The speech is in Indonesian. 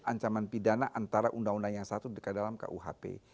ancaman pidana antara undang undang yang satu dalam kuhp